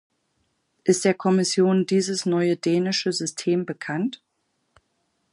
Ist der Kommission dieses neue dänische System bekannt?